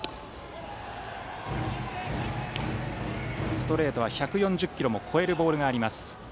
ストレートは１４０キロも超えるボールがあります。